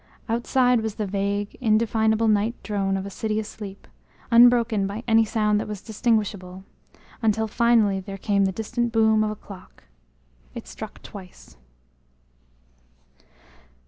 Outside was the vague, indefinable night drone of a city asleep, unbroken by any sound that was distinguishable, until finally there came the distant boom of a clock. It struck twice.